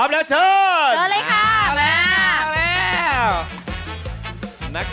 เยอะเลยครับ